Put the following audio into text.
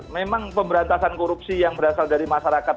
memang pemberantasan korupsi yang berasal dari masyarakat